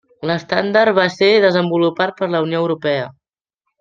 L'estàndard va ser desenvolupat per la Unió Europea.